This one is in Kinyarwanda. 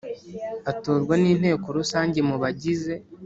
Atorwa n Inteko Rusange mu bagize